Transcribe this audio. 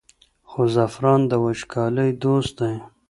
خو زعفران د وچکالۍ دوست دی.